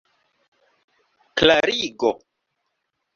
klarigo